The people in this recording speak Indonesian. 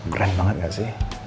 brand banget gak sih